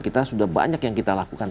kita sudah banyak yang kita lakukan